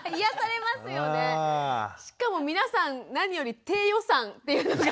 しかも皆さん何より低予算っていうのが。